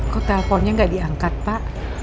kok telponnya nggak diangkat pak